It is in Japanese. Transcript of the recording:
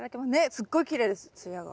すっごいきれいです艶が。